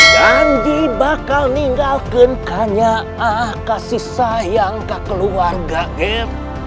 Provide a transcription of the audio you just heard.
janji bakal ninggalkan kanya'ah kasih sayang ke keluarga gen